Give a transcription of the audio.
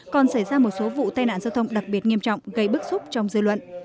còn xảy ra một số vụ tai nạn giao thông đặc biệt nghiêm trọng gây bức xúc trong dư luận